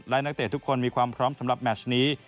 และนักเตะทุกคนมีความพร้อมสำหรับแมชนี้